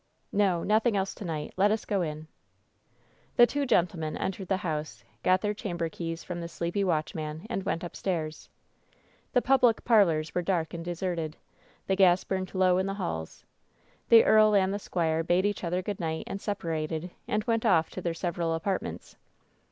"No ; nothing else to night. Let us go in." The two gentlemen entered the house, got their cham ber keys from the sleepy watchman, and went upstairs* =r :=• 248 WHEN SHADOWS DIE The public parlors were dark and deserted. The gas burned low in the halls. The earl and the squire bade each other good night and separated, and went off to their several apartments.